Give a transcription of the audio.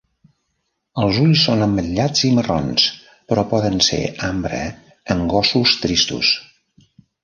Els ulls són ametllats i marrons, però poden ser ambre en gossos tristos.